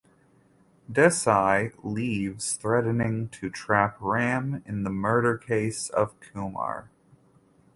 Desai leaves threatening to trap Ram in the murder case of Kumar.